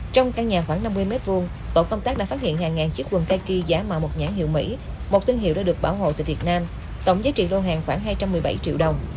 trong căn nhà khoảng năm mươi mét vuông tổ công tác đã phát hiện hàng ngàn chiếc quần khai kê giả màu một nhãn hiệu mỹ một thương hiệu đã được bảo hộ từ việt nam tổng giá trị lô hàng khoảng hai trăm một mươi bảy triệu đồng